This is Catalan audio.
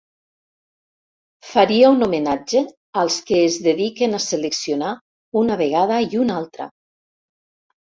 Faria un homenatge als que es dediquen a seleccionar una vegada i una altra.